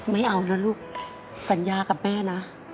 ไม่เอานะลูกสัญญากับแม่นะ